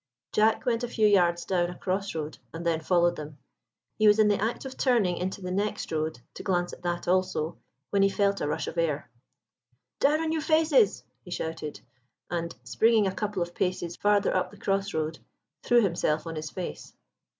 Jack went a few yards down a cross road, and then followed them. He was in the act of turning into the next road to glance at that also, when he felt a rush of air. "Down on your faces!" he shouted, and, springing a couple of paces farther up the cross road, threw himself on his face.